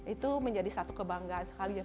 itu menjadi satu kebanggaan sekali ya